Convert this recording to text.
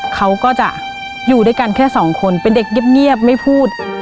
เขาก็จะอยู่ด้วยกันแค่สองคนเป็นเด็กเงียบไม่พูด